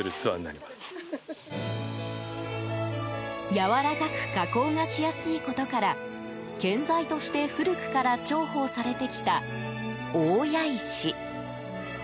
やわらかく加工がしやすいことから建材として古くから重宝されてきた大谷石。